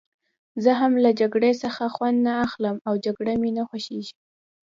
زه هم له جګړې څخه خوند نه اخلم او جګړه مې نه خوښېږي.